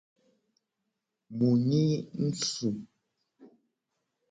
Mu nyi ngsu.